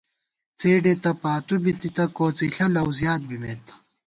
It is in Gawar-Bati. څېڈے تہ پاتُو بِتِتہ ، کوڅِݪہ لؤ زیات بِمېت